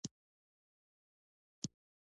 مچان د مکروب انتقالوونکي دي